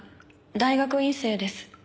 大学院生です。